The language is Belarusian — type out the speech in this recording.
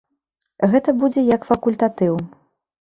Гэта будзе як факультатыў.